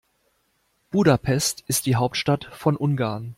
Budapest ist die Hauptstadt von Ungarn.